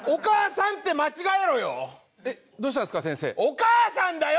お母さんだよ！